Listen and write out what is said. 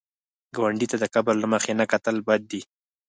ګاونډي ته د کبر له مخې نه کتل بد دي